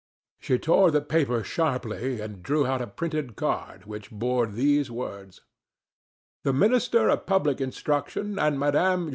She tore the paper sharply, and drew out a printed card which bore these words: "The Minister of Public Instruction and Mme.